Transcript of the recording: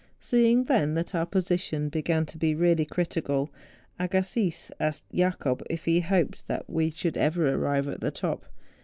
Seeing then that our position began to be really critical, Agassiz asked Jacob if he hoped that we should ever arrive at the top.